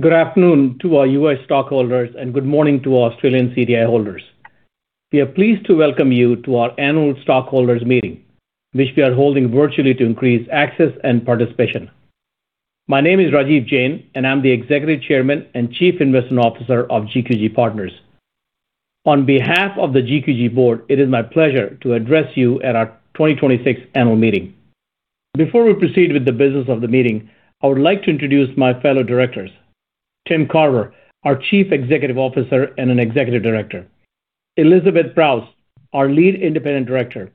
Good afternoon to our U.S. stockholders and good morning to Australian CDI holders. We are pleased to welcome you to our annual stockholders meeting, which we are holding virtually to increase access and participation. My name is Rajiv Jain, and I'm the Executive Chairman and Chief Investment Officer of GQG Partners. On behalf of the GQG board, it is my pleasure to address you at our 2026 annual meeting. Before we proceed with the business of the meeting, I would like to introduce my fellow Directors, Tim Carver, our Chief Executive Officer and an Executive Director; Elizabeth Proust, our Lead Independent Director;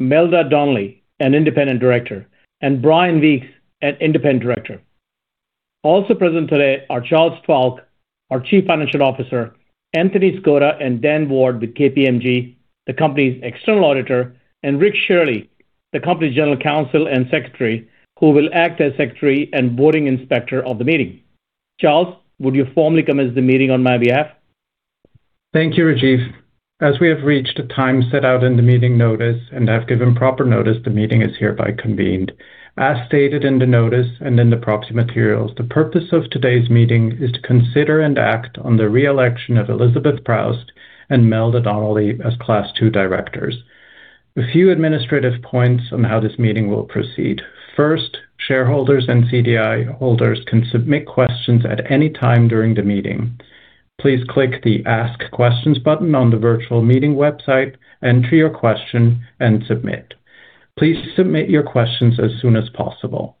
Melda Donnelly, an Independent Director; and Bryan Weeks, an Independent Director. Also present today are Charles Falck, our Chief Financial Officer, Anthony Skoda and Dan Ward with KPMG, the company's external auditor, and Rick Sherley, the company's General Counsel and Secretary, who will act as Secretary and voting inspector of the meeting. Charles, would you formally commence the meeting on my behalf? Thank you, Rajiv. As we have reached the time set out in the meeting notice and have given proper notice, the meeting is hereby convened. As stated in the notice and in the proxy materials, the purpose of today's meeting is to consider and act on the re-election of Elizabeth Proust and Melda Donnelly as Class II directors. A few administrative points on how this meeting will proceed. First, shareholders and CDI holders can submit questions at any time during the meeting. Please click the Ask Questions button on the virtual meeting website, enter your question, and submit. Please submit your questions as soon as possible.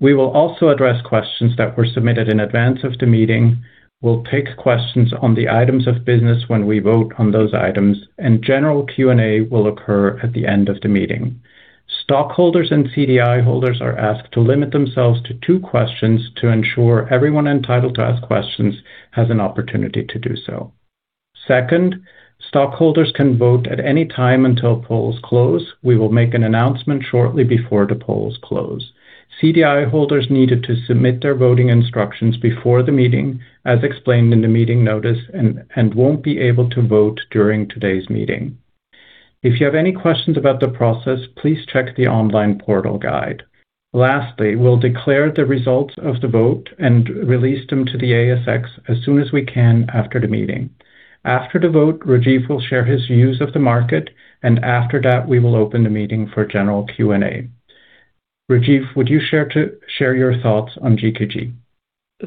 We will also address questions that were submitted in advance of the meeting. We'll take questions on the items of business when we vote on those items, and general Q&A will occur at the end of the meeting. Stockholders and CDI holders are asked to limit themselves to two questions to ensure everyone entitled to ask questions has an opportunity to do so. Second, stockholders can vote at any time until polls close. We will make an announcement shortly before the polls close. CDI holders needed to submit their voting instructions before the meeting, as explained in the meeting notice, and won't be able to vote during today's meeting. If you have any questions about the process, please check the online portal guide. Lastly, we'll declare the results of the vote and release them to the ASX as soon as we can after the meeting. After the vote, Rajiv will share his views of the market, and after that, we will open the meeting for general Q&A. Rajiv, would you share your thoughts on GQG?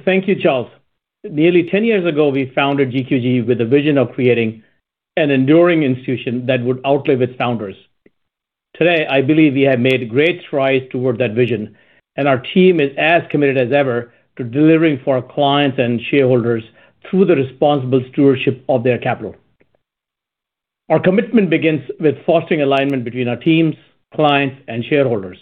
Thank you, Charles. Nearly 10 years ago, we founded GQG with a vision of creating an enduring institution that would outlive its founders. Today, I believe we have made great strides toward that vision, our team is as committed as ever to delivering for our clients and shareholders through the responsible stewardship of their capital. Our commitment begins with fostering alignment between our teams, clients, and shareholders.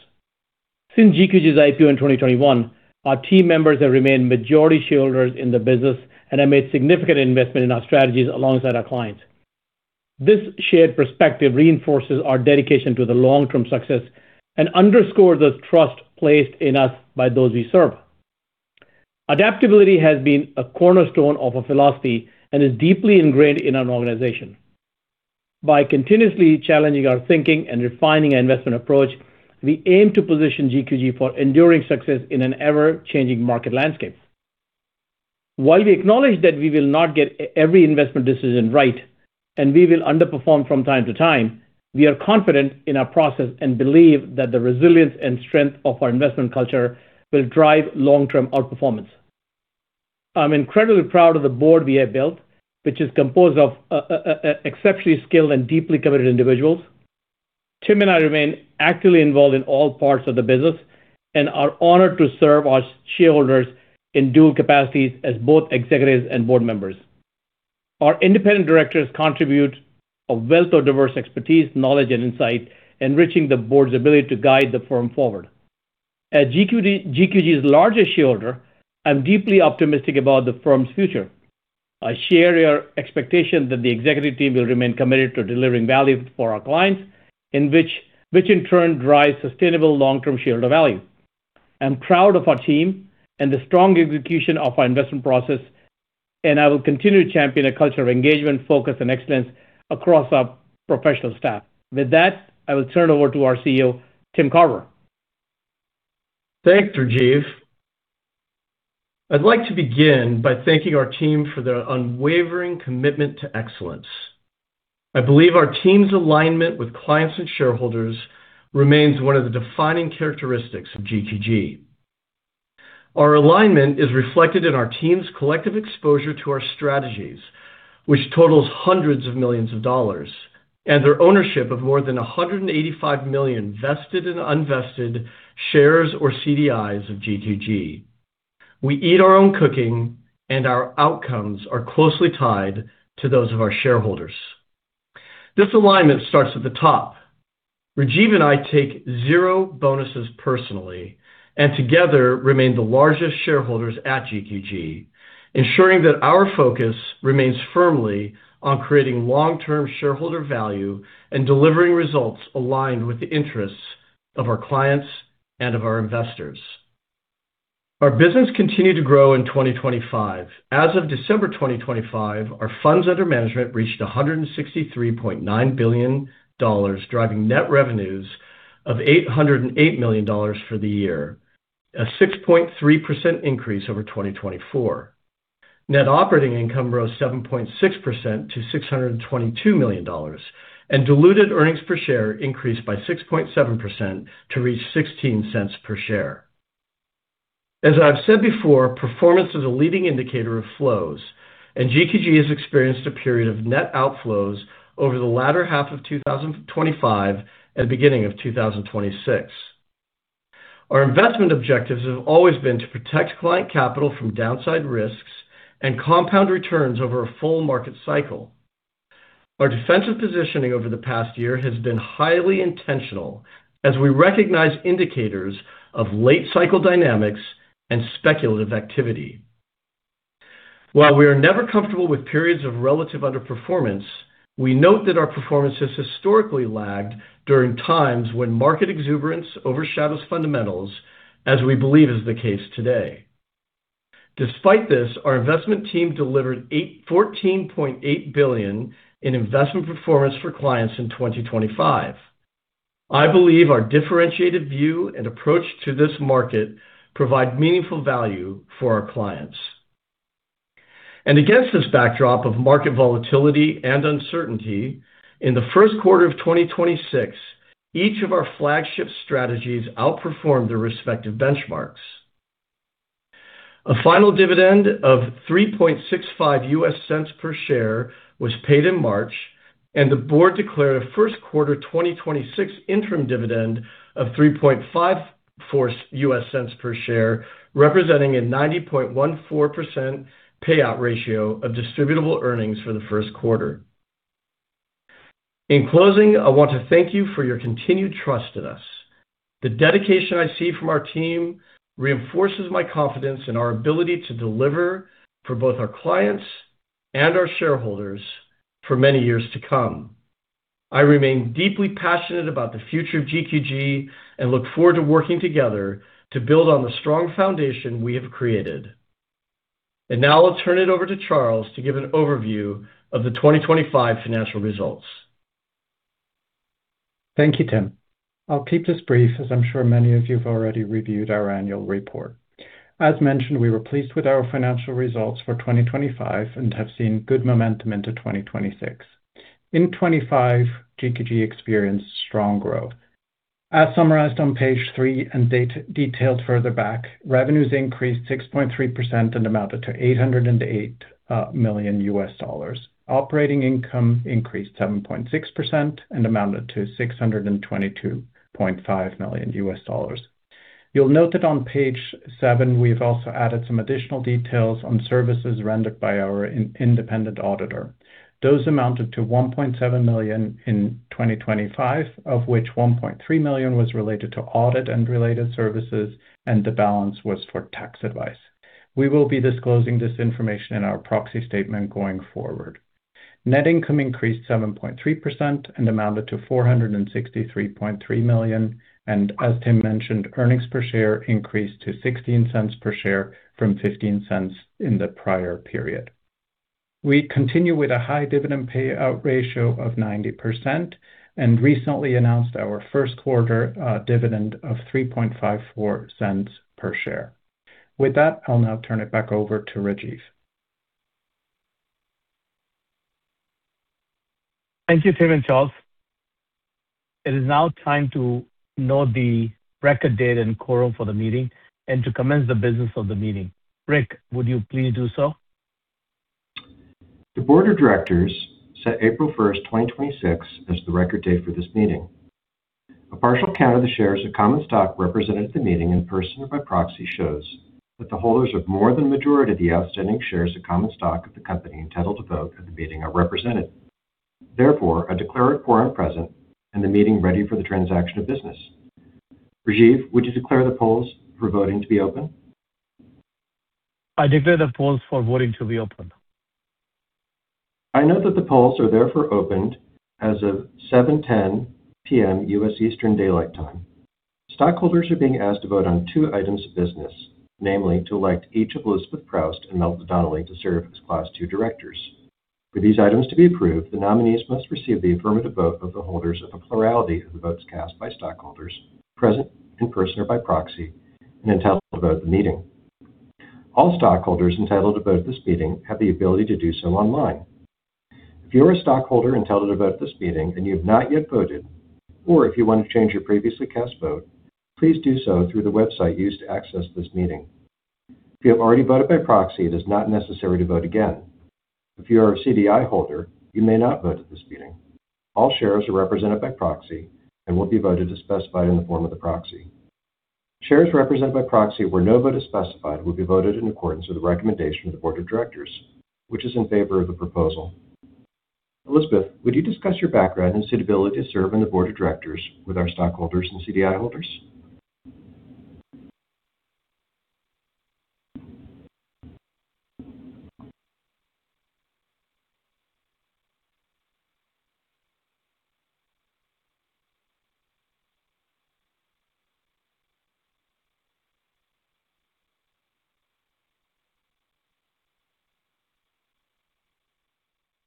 Since GQG's IPO in 2021, our team members have remained majority shareholders in the business and have made significant investment in our strategies alongside our clients. This shared perspective reinforces our dedication to the long-term success and underscores the trust placed in us by those we serve. Adaptability has been a cornerstone of our philosophy and is deeply ingrained in our organization. By continuously challenging our thinking and refining our investment approach, we aim to position GQG for enduring success in an ever-changing market landscape. While we acknowledge that we will not get every investment decision right and we will underperform from time to time, we are confident in our process and believe that the resilience and strength of our investment culture will drive long-term outperformance. I'm incredibly proud of the board we have built, which is composed of exceptionally skilled and deeply committed individuals. Tim and I remain actively involved in all parts of the business and are honored to serve our shareholders in dual capacities as both executives and board members. Our independent directors contribute a wealth of diverse expertise, knowledge, and insight, enriching the board's ability to guide the firm forward. As GQG's largest shareholder, I'm deeply optimistic about the firm's future. I share your expectation that the executive team will remain committed to delivering value for our clients, which in turn drives sustainable long-term shareholder value. I'm proud of our team and the strong execution of our investment process, and I will continue to champion a culture of engagement, focus, and excellence across our professional staff. With that, I will turn it over to our CEO, Tim Carver. Thanks, Rajiv. I'd like to begin by thanking our team for their unwavering commitment to excellence. I believe our team's alignment with clients and shareholders remains one of the defining characteristics of GQG. Our alignment is reflected in our team's collective exposure to our strategies, which totals hundreds of millions of dollars, and their ownership of more than $185 million vested and unvested shares or CDIs of GQG. We eat our own cooking, and our outcomes are closely tied to those of our shareholders. This alignment starts at the top. Rajiv and I take zero bonuses personally and together remain the largest shareholders at GQG, ensuring that our focus remains firmly on creating long-term shareholder value and delivering results aligned with the interests of our clients and of our investors. Our business continued to grow in 2025. As of December 2025, our funds under management reached $163.9 billion, driving net revenues of $808 million for the year, a 6.3% increase over 2024. Net operating income rose 7.6% to $622 million, and diluted earnings per share increased by 6.7% to reach $0.16 per share. As I've said before, performance is a leading indicator of flows, and GQG has experienced a period of net outflows over the latter half of 2025 and beginning of 2026. Our investment objectives have always been to protect client capital from downside risks and compound returns over a full market cycle. Our defensive positioning over the past year has been highly intentional as we recognize indicators of late cycle dynamics and speculative activity. While we are never comfortable with periods of relative underperformance, we note that our performance has historically lagged during times when market exuberance overshadows fundamentals, as we believe is the case today. Despite this, our investment team delivered $14.8 billion in investment performance for clients in 2025. I believe our differentiated view and approach to this market provide meaningful value for our clients. Against this backdrop of market volatility and uncertainty, in the first quarter of 2026, each of our flagship strategies outperformed their respective benchmarks. A final dividend of $0.0365 per share was paid in March, and the board declared a first quarter 2026 interim dividend of $0.0354 per share, representing a 90.14% payout ratio of distributable earnings for the first quarter. In closing, I want to thank you for your continued trust in us. The dedication I see from our team reinforces my confidence in our ability to deliver for both our clients and our shareholders for many years to come. I remain deeply passionate about the future of GQG and look forward to working together to build on the strong foundation we have created. Now I'll turn it over to Charles to give an overview of the 2025 financial results. Thank you, Tim. I'll keep this brief, as I'm sure many of you have already reviewed our annual report. As mentioned, we were pleased with our financial results for 2025 and have seen good momentum into 2026. In 2025, GQG experienced strong growth. Summarized on page three and detailed further back, revenues increased 6.3% and amounted to $808 million. Operating income increased 7.6% and amounted to $622.5 million. You'll note that on page seven, we've also added some additional details on services rendered by our independent auditor. Those amounted to $1.7 million in 2025, of which $1.3 million was related to audit and related services, and the balance was for tax advice. We will be disclosing this information in our proxy statement going forward. Net income increased 7.3% and amounted to $463.3 million. As Tim mentioned, earnings per share increased to $0.16 per share from $0.15 in the prior period. We continue with a high dividend payout ratio of 90% and recently announced our first quarter dividend of $0.0354 per share. With that, I'll now turn it back over to Rajiv. Thank you, Tim and Charles. It is now time to note the record date and quorum for the meeting and to commence the business of the meeting. Rick, would you please do so? The board of directors set April 1st, 2026 as the record date for this meeting. A partial count of the shares of common stock represented at the meeting in person or by proxy shows that the holders of more than the majority of the outstanding shares of common stock of the company entitled to vote at the meeting are represented. Therefore, I declare a quorum present and the meeting ready for the transaction of business. Rajiv, would you declare the polls for voting to be open? I declare the polls for voting to be open. I know that the polls are therefore opened as of 7:10 P.M. U.S. Eastern Daylight Time. Stockholders are being asked to vote on two items of business, namely, to elect each of Elizabeth Proust and Melda Donnelly to serve as Class II directors. For these items to be approved, the nominees must receive the affirmative vote of the holders of a plurality of the votes cast by stockholders present in person or by proxy and entitled to vote at the meeting. All stockholders entitled to vote at this meeting have the ability to do so online. If you're a stockholder entitled to vote at this meeting and you have not yet voted, or if you want to change your previously cast vote, please do so through the website used to access this meeting. If you have already voted by proxy, it is not necessary to vote again. If you are a CDI holder, you may not vote at this meeting. All shares are represented by proxy and will be voted as specified in the form of the proxy. Shares represented by proxy where no vote is specified will be voted in accordance with the recommendation of the board of directors, which is in favor of the proposal. Elizabeth, would you discuss your background and suitability to serve on the board of directors with our stockholders and CDI holders?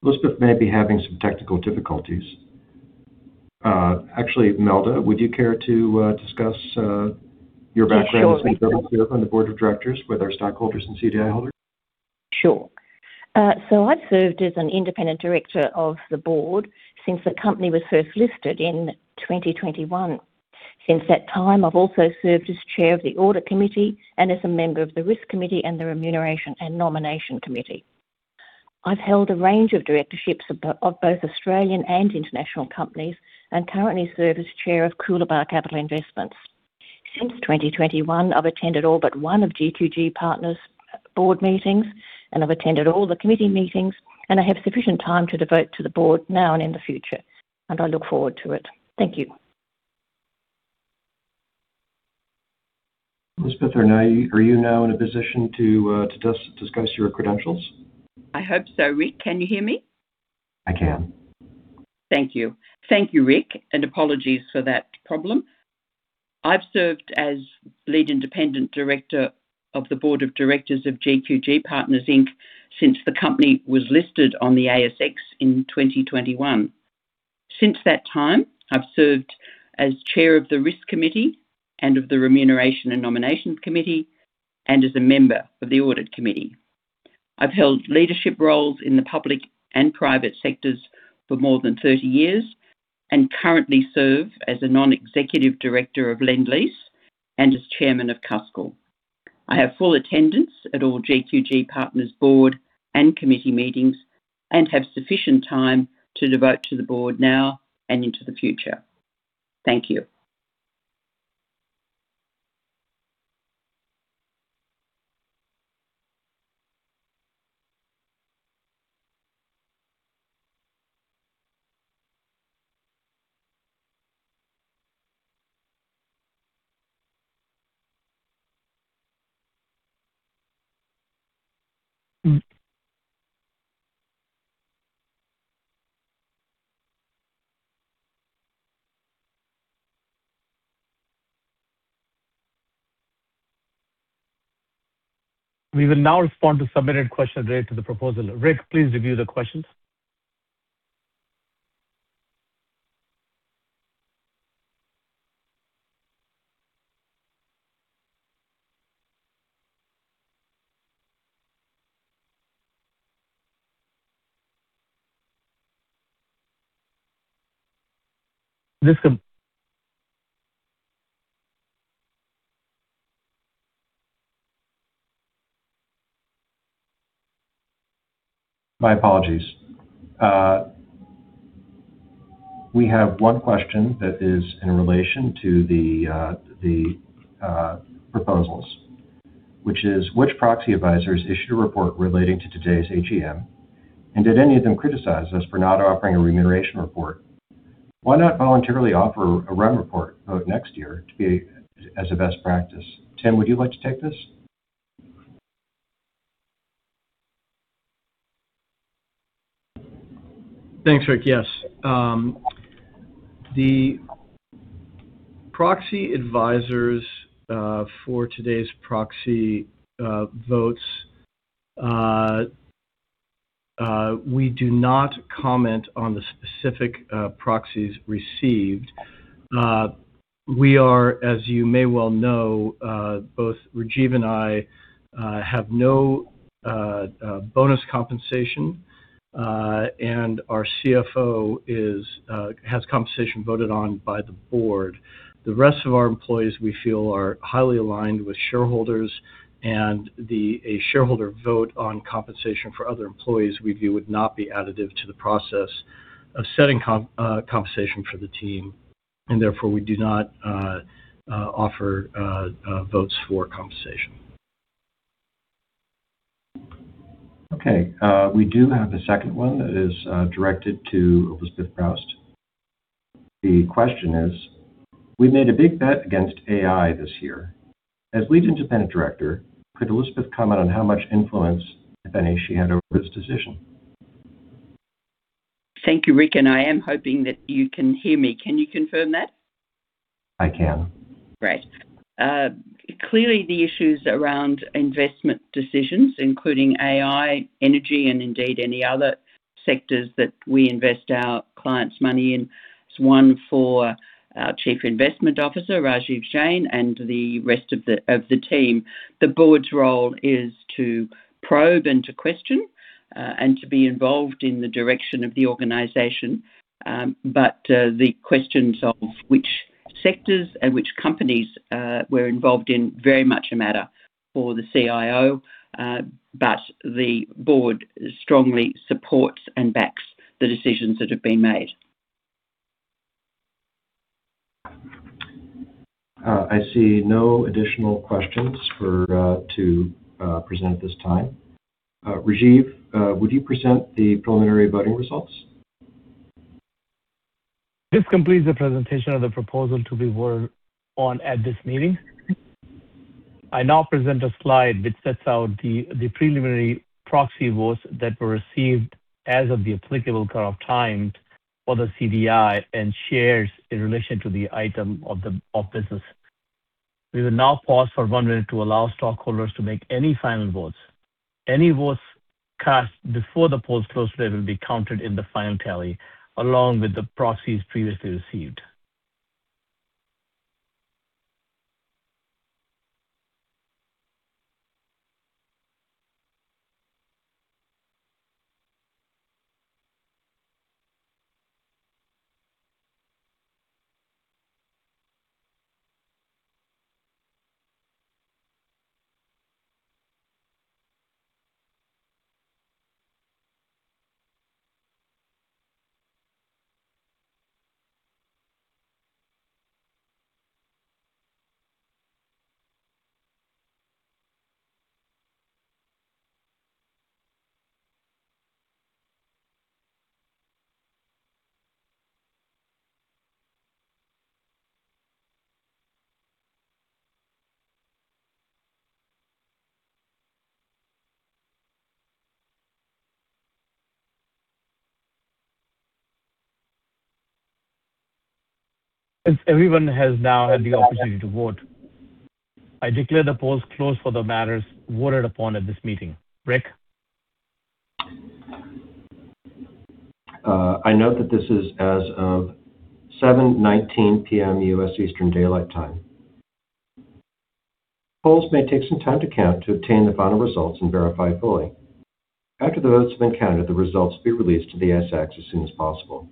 Elizabeth may be having some technical difficulties. Actually, Melda, would you care to discuss your background? Sure As a member of the board of directors with our stockholders and CDI holders? Sure. I've served as an independent director of the board since the company was first listed in 2021. Since that time, I've also served as chair of the audit committee and as a member of the risk committee and the remuneration and nomination committee. I've held a range of directorships of both Australian and international companies, and currently serve as chair of Coolabah Capital Investments. Since 2021, I've attended all but one of GQG Partners board meetings, and I've attended all the committee meetings, and I have sufficient time to devote to the board now and in the future, and I look forward to it. Thank you. Elizabeth Proust, are you now in a position to discuss your credentials? I hope so, Rick. Can you hear me? I can. Thank you. Thank you, Rick, and apologies for that problem. I've served as Lead Independent Director of the board of directors of GQG Partners Inc. since the company was listed on the ASX in 2021. Since that time, I've served as chair of the Risk Committee and of the Remuneration and Nominations Committee and as a member of the Audit Committee. I've held leadership roles in the public and private sectors for more than 30 years and currently serve as a non-executive director of Lendlease and as chairman of Cuscal. I have full attendance at all GQG Partners board and committee meetings and have sufficient time to devote to the board now and into the future. Thank you. We will now respond to submitted questions raised to the proposal. Rick, please review the questions. My apologies. We have one question that is in relation to the proposals, which is: Which proxy advisors issued a report relating to today's AGM, and did any of them criticize us for not offering a remuneration report? Why not voluntarily offer a rem report vote next year to be as a best practice? Tim, would you like to take this? Thanks, Rick. Yes. The proxy advisors for today's proxy votes, we do not comment on the specific proxies received. We are, as you may well know, both Rajiv and I have no bonus compensation, and our CFO has compensation voted on by the board. The rest of our employees, we feel, are highly aligned with shareholders, and a shareholder vote on compensation for other employees, we view, would not be additive to the process of setting compensation for the team, and therefore, we do not offer votes for compensation. Okay. We do have a second one that is directed to Elizabeth Proust. The question is: We made a big bet against AI this year. As Lead Independent Director, could Elizabeth comment on how much influence, if any, she had over this decision? Thank you, Rick, and I am hoping that you can hear me. Can you confirm that? I can. Great. Clearly the issues around investment decisions, including AI, energy, and indeed any other sectors that we invest our clients' money in, is one for our Chief Investment Officer, Rajiv Jain, and the rest of the team. The board's role is to probe and to question, and to be involved in the direction of the organization. The questions of which sectors and which companies, we're involved in very much a matter for the CIO. The board strongly supports and backs the decisions that have been made. I see no additional questions to present at this time. Rajiv, would you present the preliminary voting results? This completes the presentation of the proposal to be voted on at this meeting. I now present a slide which sets out the preliminary proxy votes that were received as of the applicable cut-off time for the CDI and shares in relation to the item of business. We will now pause for one minute to allow stockholders to make any final votes. Any votes cast before the polls close today will be counted in the final tally, along with the proxies previously received. Since everyone has now had the opportunity to vote, I declare the polls closed for the matters voted upon at this meeting. Rick? I note that this is as of 7:19 P.M. US Eastern Daylight Time. Polls may take some time to count to obtain the final results and verify fully. After the votes have been counted, the results will be released to the ASX as soon as possible.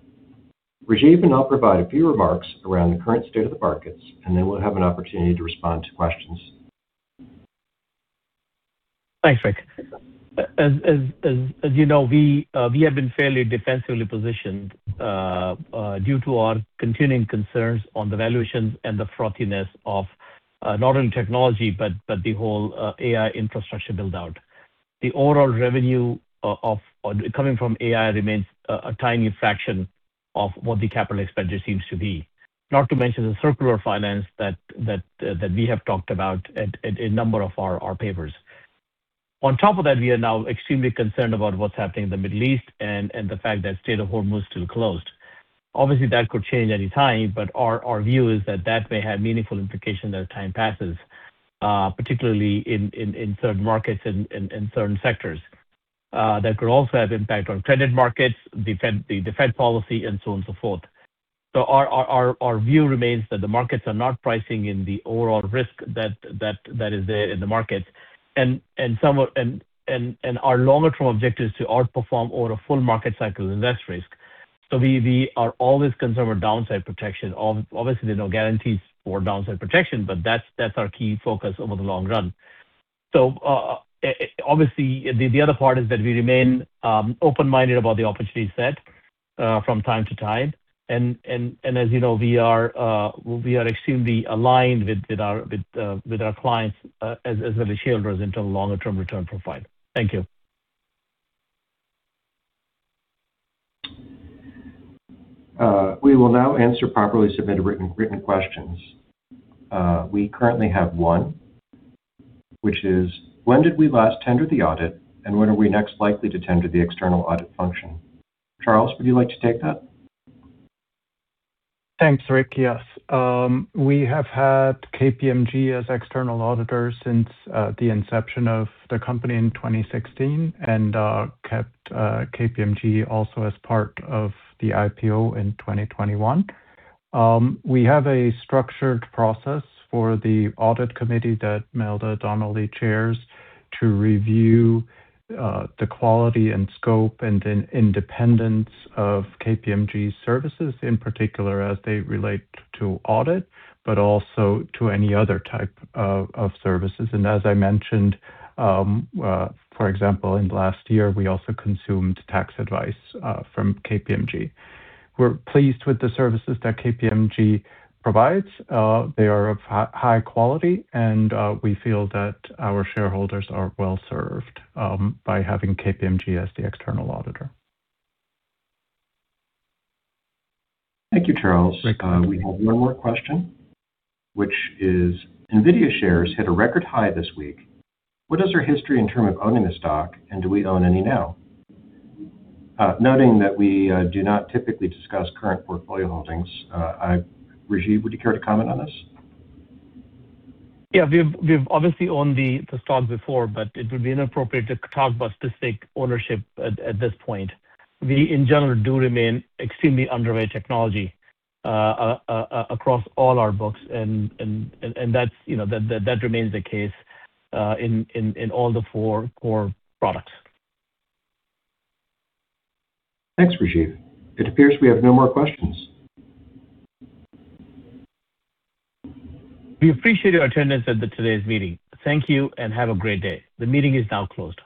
Rajiv and I'll provide a few remarks around the current state of the markets, and then we'll have an opportunity to respond to questions. Thanks, Rick. As you know, we have been fairly defensively positioned due to our continuing concerns on the valuations and the frothiness of not only technology, but the whole AI infrastructure build-out. The overall revenue of coming from AI remains a tiny fraction of what the capital expenditure seems to be. Not to mention the circular finance that we have talked about at a number of our papers. On top of that, we are now extremely concerned about what's happening in the Middle East and the fact that Strait of Hormuz still closed. Obviously, that could change any time, but our view is that that may have meaningful implications as time passes, particularly in certain markets and certain sectors. That could also have impact on credit markets, the Fed policy, and so on and so forth. Our view remains that the markets are not pricing in the overall risk that is there in the market. Our longer term objective is to outperform over a full market cycle invest risk. We are always concerned with downside protection. Obviously, there are no guarantees for downside protection, but that's our key focus over the long run. Obviously, the other part is that we remain open-minded about the opportunity set from time to time. As you know, we are extremely aligned with our clients as are the shareholders into the longer term return profile. Thank you. We will now answer properly submitted written questions. We currently have one, which is: when did we last tender the audit, and when are we next likely to tender the external audit function? Charles, would you like to take that? Thanks, Rick. Yes. We have had KPMG as external auditors since the inception of the company in 2016 and kept KPMG also as part of the IPO in 2021. We have a structured process for the audit committee that Melda Donnelly chairs to review the quality and scope and independence of KPMG's services, in particular as they relate to audit, but also to any other type of services. As I mentioned, for example, in the last year, we also consumed tax advice from KPMG. We're pleased with the services that KPMG provides. They are of high quality, and we feel that our shareholders are well-served by having KPMG as the external auditor. Thank you, Charles. Thank you. We have one more question, which is: NVIDIA shares hit a record high this week. What is our history in term of owning the stock, and do we own any now? Noting that we do not typically discuss current portfolio holdings, Rajiv, would you care to comment on this? Yeah. We've obviously owned the stock before, but it would be inappropriate to talk about specific ownership at this point. We, in general, do remain extremely underweight technology, across all our books, and that's, you know, that remains the case in all the four core products. Thanks, Rajiv. It appears we have no more questions. We appreciate your attendance at the today's meeting. Thank you and have a great day. The meeting is now closed.